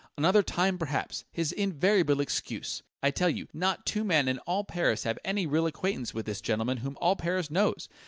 "'Another time, perhaps' his invariable excuse! I tell you, not two men in all Paris have any real acquaintance with this gentleman whom all Paris knows!